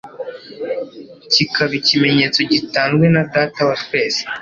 kikaba ikimenyetso gitanzwe na Data wa twese